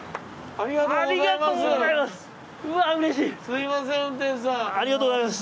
ありがとうございます。